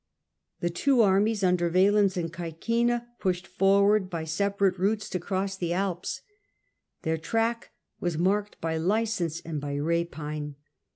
The two armies The march Under Valens and Csecina pushed forward to luiy, by separate routes to cross the Alps. Their track was marked by license and by rapine.